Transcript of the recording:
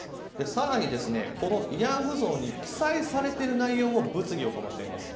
更に、この慰安婦像に記載されている内容も物議を醸しています。